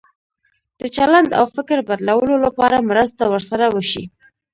د چلند او فکر بدلولو لپاره مرسته ورسره وشي.